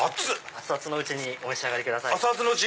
熱々のうちにお召し上がりください。